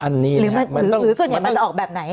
หรือส่วนใหญ่มันจะออกแบบไหน